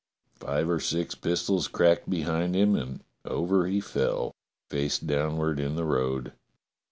Five or six pistols cracked behind him and over he fell, face downward in the road.